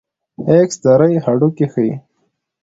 د ایکس رې هډوکي ښيي.